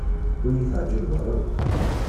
Ur iyi-teɛǧibeḍ ara akk.